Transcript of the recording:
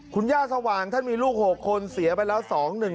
คุณย่าสว่างท่านมีลูก๖คนเสียไปแล้ว๒๑